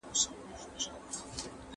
په جماعت کې رحمت دی.